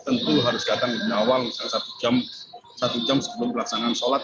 tentu harus datang lebih awal misalnya satu jam sebelum pelaksanaan sholat